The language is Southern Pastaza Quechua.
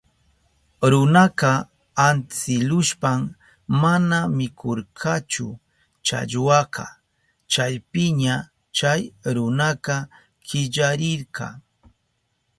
Runaka antsilushpan mana mikurkachu challwaka. Chaypiña chay runaka killarirka.